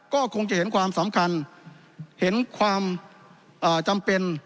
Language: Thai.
ก็คงจะเห็นความสำคัญเห็นความจำเป็น